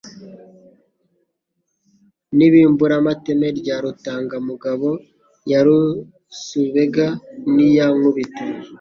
n'ibimburamateme rya Rutangamugabo ya Surubega n'iya Nkubito;